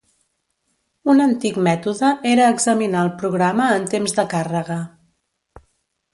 Un antic mètode era examinar el programa en temps de càrrega.